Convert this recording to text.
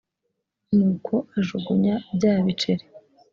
nuko ajugunya bya biceri